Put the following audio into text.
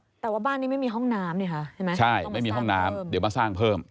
แต่ว่าบ้านนี้ไม่มีห้องน้ำนี่ค่ะใช่ไหมใช่ไม่มีห้องน้ำเดี๋ยวมาสร้างเพิ่ม